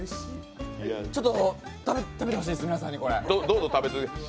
ちょっと、食べてほしいです、皆さんに、これ。